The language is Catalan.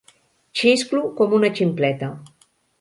Xisclo com una ximpleta.